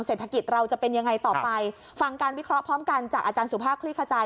เศรษฐกิจเราจะเป็นยังไงต่อไปฟังการวิเคราะห์พร้อมกันจากอาจารย์สุภาพคลี่ขจาย